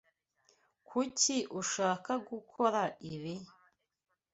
Kuki ushaka gukora ibi?